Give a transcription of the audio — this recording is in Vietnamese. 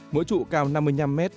mỗi trụ cao năm mươi năm m